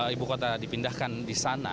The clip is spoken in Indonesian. ibu kota dipindahkan di sana